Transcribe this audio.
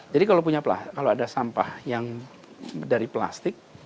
jadi kalau ada sampah yang dari plastik